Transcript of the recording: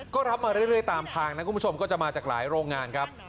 ก็รับมาเรื่อยตามทางนะคุณผู้ชมก็จะมาจากหลายโรงงานครับ